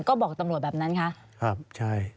ก็บอกตำรวจแบบนั้นคะ